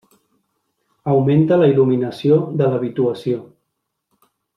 Augmenta la il·luminació de l'habituació.